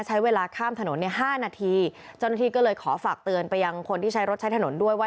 ใช้เวลาข้ามถนนเนี่ยห้านาทีเจ้าหน้าที่ก็เลยขอฝากเตือนไปยังคนที่ใช้รถใช้ถนนด้วยว่า